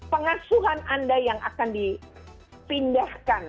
pengasuhan anda yang akan dipindahkan